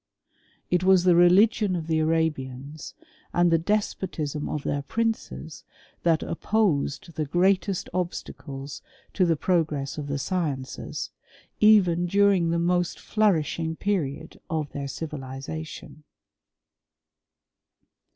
It was the religion of the Arabians, and the despotism ^—nC their princes, that opposed the greatest obstacles HBft>the progress of the sciences, even during the most ^Hnniishing period of their civilization."